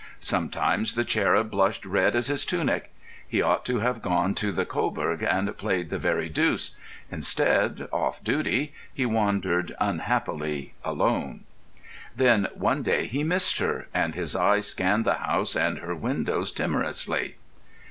Sometimes the cherub blushed red as his tunic. He ought to have gone to the Cobourg and played the very deuce; instead, off duty, he wandered unhappily alone. Then one day he missed her, and his eyes scanned the house and her windows timorously.